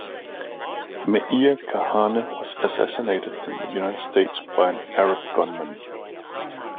Meir Kahane was assassinated in the United States by an Arab gunman.